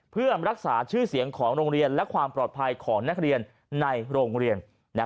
เพื่อรักษาชื่อเสียงของโรงเรียนและความปลอดภัยของนักเรียนในโรงเรียน